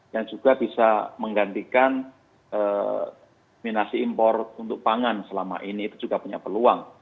yang juga bisa menggantikan minasi impor untuk pangan selama ini itu juga punya peluang